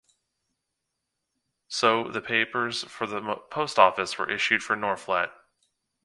So, the papers for the post office were issued for Norphlet.